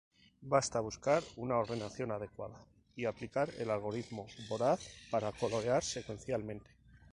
Basta buscar una ordenación adecuada y aplicar el algoritmo voraz para colorear secuencialmente.